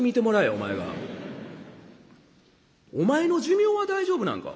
お前の寿命は大丈夫なんか？